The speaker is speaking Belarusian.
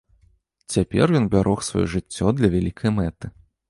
Цяпер ён бярог сваё жыццё для вялікай мэты.